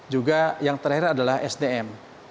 juga yang terakhir adalah sdm